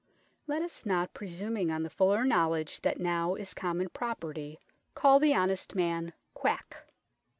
Let us not, presuming on the fuller knowledge that now is common property, call the honest 220 UNKNOWN LONDON man " quack."